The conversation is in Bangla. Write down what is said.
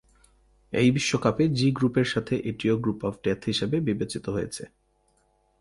এই বিশ্বকাপে জি গ্রুপের সাথে এটিও গ্রুপ অফ ডেথ হিসেবে বিবেচিত হয়েছে।